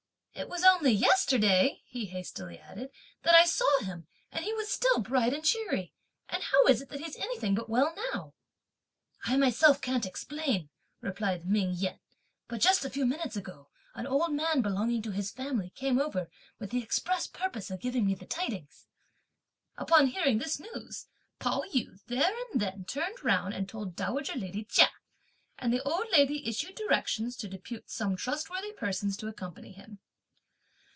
"It was only yesterday," he hastily added, "that I saw him, and he was still bright and cheery; and how is it that he's anything but well now?" "I myself can't explain," replied Ming Yen; "but just a few minutes ago an old man belonging to his family came over with the express purpose of giving me the tidings." Upon hearing this news, Pao yü there and then turned round and told dowager lady Chia; and the old lady issued directions to depute some trustworthy persons to accompany him.